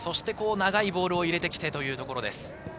長いボールを入れてきてというところです。